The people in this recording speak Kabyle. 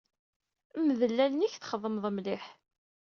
Mdel allen-ik ad txemmmeḍ mliḥ.